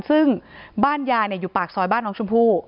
ซึ่งบ้านยายอยู่ปากซอยบ้านน้องชมพู่